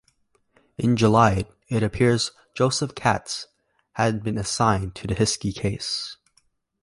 In July, it appears Joseph Katz had been assigned to the Hiskey case.